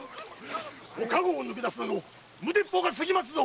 お駕籠を抜け出すとは無鉄砲が過ぎますぞ！